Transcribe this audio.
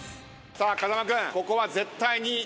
さあ風間君。